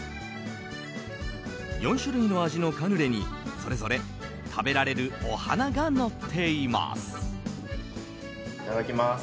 ４種類の味のカヌレにそれぞれ食べられるお花がのっています。